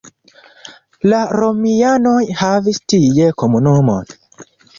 La romianoj havis tie komunumon.